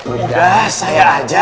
udah saya aja